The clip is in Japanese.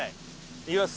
いきます。